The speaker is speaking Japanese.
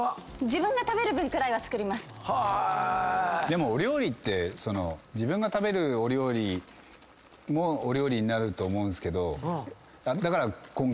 でもお料理って自分が食べるお料理もお料理になると思うんですけどだから。